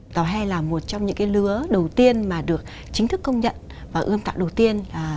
tòa hè là một trong những cái lứa đầu tiên mà được chính thức công nhận và ươm tạo đầu tiên